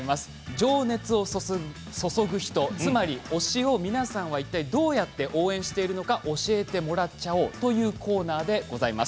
情熱を注ぐ人つまり推しを皆さんどうやって応援しているのか教えてもらっちゃおうというコーナーでございます。